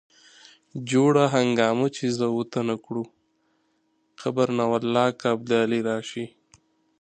جوړه هنګامه چې زه او ته نه کړو قبر نه والله که ابدالي راشي.